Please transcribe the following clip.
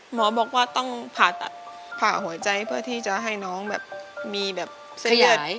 หมอบอกว่าต้องผ่าตัดผ่าหัวใจเพื่อที่จะให้น้องแบบมีแบบเส้นเลือด